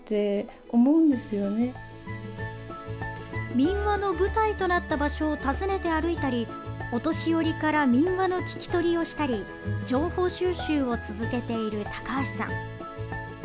民話の舞台となった場所を訪ねて歩いたりお年寄りから民話の聞き取りをしたり情報収集を続けている高橋さん。